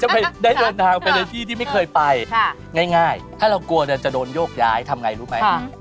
ได้เดินทางไปในที่ที่ไม่เคยไปง่ายถ้าเรากลัวจะโดนโยกย้ายทำไงรู้ไหม